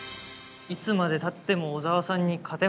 いつまでたっても小沢さんに勝てません。